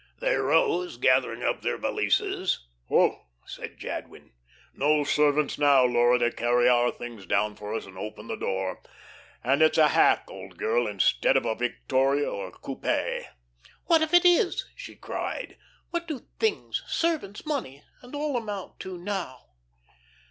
They rose, gathering up their valises. "Hoh!" said Jadwin. "No servants now, Laura, to carry our things down for us and open the door, and it's a hack, old girl, instead of the victoria or coupe." "What if it is?" she cried. "What do 'things,' servants, money, and all amount to now?"